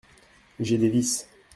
J’ai des vices…